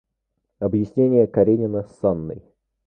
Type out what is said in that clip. Объяснение Каренина с Анной.